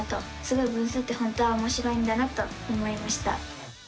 すごい分数って本当はおもしろいんだなと思いました！